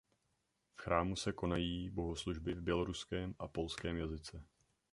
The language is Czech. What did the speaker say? V chrámu se konají bohoslužby v běloruském a polském jazyce.